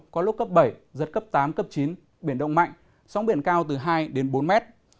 có lúc cấp bảy giật cấp tám cấp chín biển động mạnh sóng biển cao từ hai đến bốn mét